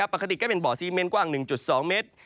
ปกติก็เป็นบ่อซีเมนกว้าง๑๒เมตร